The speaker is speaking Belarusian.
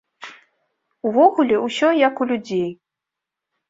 Увогуле, усё як у людзей.